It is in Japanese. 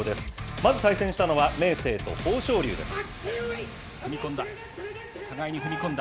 まず対戦したのは明生と豊昇龍で踏み込んだ。